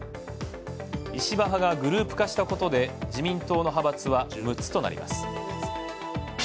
石破派がグループ化したことで自民党の派閥は６つとなります。